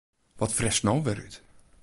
Wat fretst no wer út?